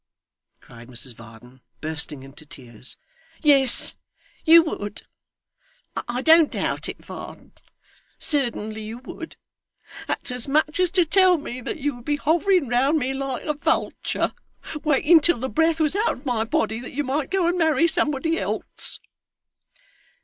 cried Mrs Varden, bursting into tears, 'yes, you would. I don't doubt it, Varden. Certainly you would. That's as much as to tell me that you would be hovering round me like a vulture, waiting till the breath was out of my body, that you might go and marry somebody else.